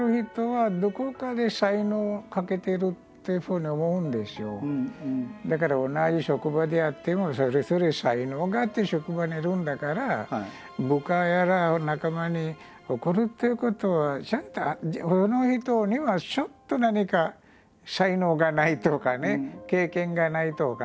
私は個人的にはだから同じ職場であってもそれぞれ才能があって職場にいるんだから部下やら仲間に怒るっていうことはその人にはちょっと何か才能がないとかね経験がないとかね。